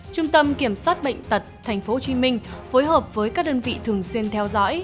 trung tâm kiểm soát bệnh tật tp hcm phối hợp với các đơn vị thường xuyên theo dõi